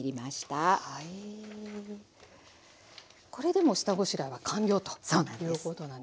これでもう下ごしらえは完了ということなんですね。